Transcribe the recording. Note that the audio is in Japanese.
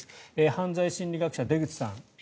犯罪心理学者の出口さん。